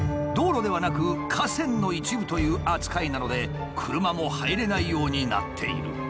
道路ではなく河川の一部という扱いなので車も入れないようになっている。